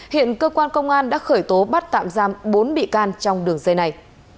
hiện cơ quan công an đã khởi tố bắt tạm giam bốn bị can trong đường dây này